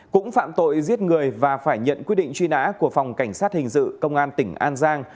cũng phạm tội giết người và phải nhận quyết định truy nã của phòng cảnh sát hình sự công an tỉnh an giang